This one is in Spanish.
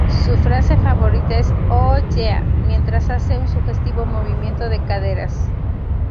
Su frase favorita es "oh, yeah" mientras hace un sugestivo movimiento de caderas.